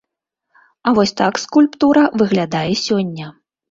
А вось так скульптура выглядае сёння.